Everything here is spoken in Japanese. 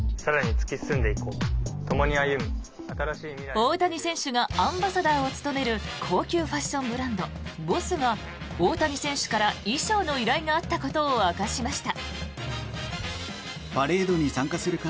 大谷選手がアンバサダーを務める高級ファッションブランドＢＯＳＳが大谷選手から衣装の依頼があったことを明かしました。